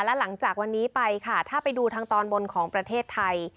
และหลังจากวันนี้ไปค่ะถ้าไปดูทางตอนบนของประเทศไทย